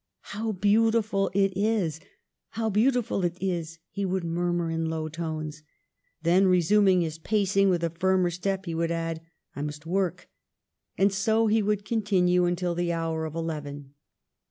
"How beautiful it is! How beautiful it is!" he would murmur in low tones. Then, resum ing his pacing with a firmer step, he would add, ''I must work." And so he would continue un til the hour of eleven.